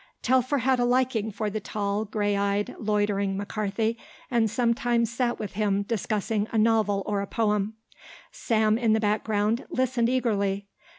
Telfer had a liking for the tall, grey eyed, loitering McCarthy and sometimes sat with him discussing a novel or a poem; Sam in the background listened eagerly.